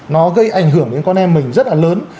nó gây ảnh hưởng đến con em mình rất là lớn